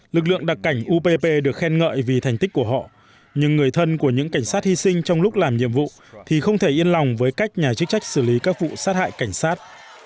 lực lượng đặc cảnh upp được khen ngợi vì thành tích của họ nhưng người thân của những cảnh sát hy sinh trong lúc làm nhiệm vụ thì không thể yên lòng với cách nhà chức trách xử lý các vụ sát hại cảnh sát